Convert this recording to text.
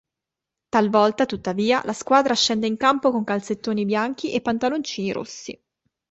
Talvolta, tuttavia, la squadra scende in campo con calzettoni bianchi e pantaloncini rossi.